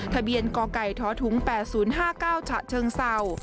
ทะเบียนก่อไก่ท้อถุง๘๐๕๙ฉะเชิงเซา